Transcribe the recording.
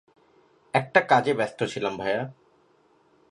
একটা কাজে ব্যস্ত ছিলাম ভায়া!